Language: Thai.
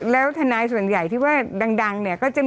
แล้วธนายส่วนใหญ่ที่ว่าดัง